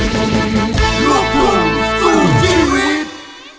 สู่ที่วิทย์